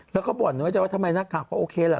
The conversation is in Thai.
แล้วก็บ่อนน้อยใจว่าทำไมนักข่าวก็โอเคล่ะ